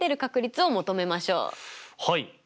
はい。